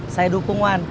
saya dukung wan